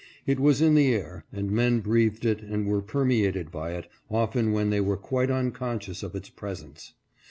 It was in the air, and men breathed it and were permeated by it often when they were quite unconscious of its presence.